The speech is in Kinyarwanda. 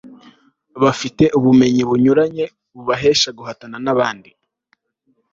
bafite ubumenyi bunyuranye bibahesha guhatana n'abandi